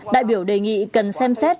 đại biểu đề nghị cần xem xét